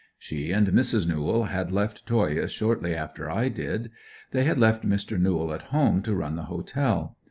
She and Mrs. Newell had left Toyah shortly after I did. They had left Mr. Newell at home to run the Hotel.